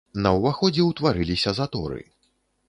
На ўваходзе ўтварыліся заторы.